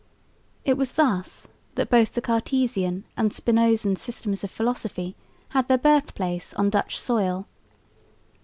It was thus that both the Cartesian and Spinozan systems of philosophy had their birth place on Dutch soil.